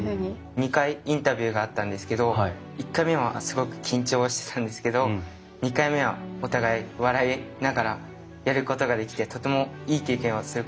２回インタビューがあったんですけど１回目はすごく緊張してたんですけど２回目はお互い笑いながらやることができてとてもいい経験をすることができました。